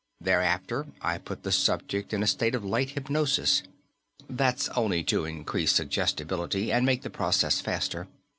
Thereafter I put the subject in a state of light hypnosis that's only to increase suggestibility, and make the process faster.